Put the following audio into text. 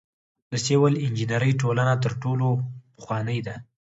د سیول انجنیری ټولنه تر ټولو پخوانۍ ده.